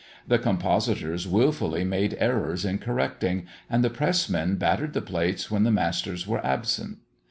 The compositors wilfully made errors in correcting, and the pressmen battered the plates when the masters were absent.